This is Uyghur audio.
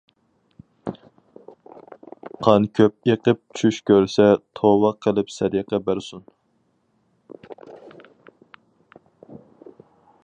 قان كۆپ ئېقىپ چۈش كۆرسە، توۋا قىلىپ سەدىقە بەرسۇن.